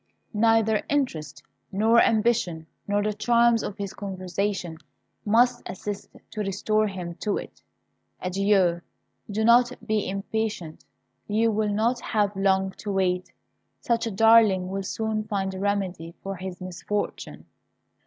Neither interest, nor ambition, nor the charms of his conversation, must assist to restore him to it. Adieu! Do not be impatient; you will not have long to wait. Such a darling will soon find a remedy for his misfortune."